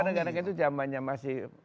ini kepada negara itu jamannya masih